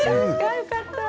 よかった。